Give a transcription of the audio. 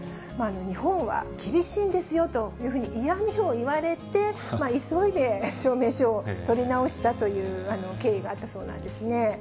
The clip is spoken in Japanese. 日本は厳しいんですよというふうに嫌みを言われて、急いで証明書を取り直したという経緯があったそうなんですね。